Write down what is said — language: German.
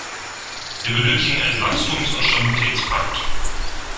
Wir benötigen einen Wachstums- und Stabilitätspakt.